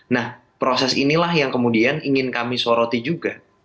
nah proses inilah yang kemudian ingin kami soroti juga